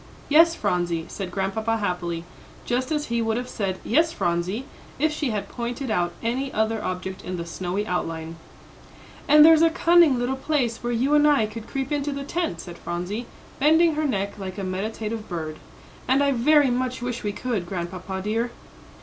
"Yes, Phronsie," said Grandpapa, happily, just as he would have said "Yes, Phronsie," if she had pointed out any other object in the snowy outline. "And there's a cunning little place where you and I could creep into the tent," said Phronsie, bending her neck like a meditative bird. "And I very much wish we could, Grandpapa dear."